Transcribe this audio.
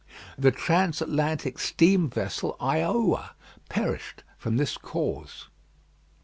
The transatlantic steam vessel Iowa perished from this cause.